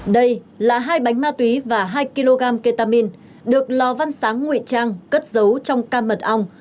đây là hai bánh ma túy và hai kg ketamin được lò văn sáng nguy trang cất giấu trong cam mật ong